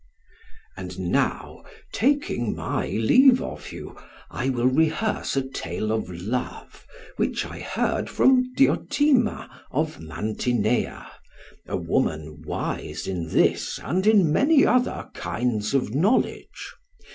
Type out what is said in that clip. "And now, taking my leave of you, I will rehearse a tale of love which I heard from Diotima of Mantineia, a woman wise in this and in many other kinds of knowledge.